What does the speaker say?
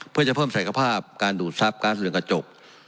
เพื่อจะเพิ่มศักยภาพการดูดทรัพย์ก๊าซเรือนกระจก